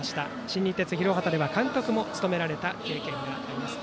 新日鉄広畑では監督も務められた経験があります。